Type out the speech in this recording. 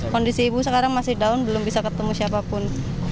kondisi ibu sekarang masih down belum bisa ketemu siapapun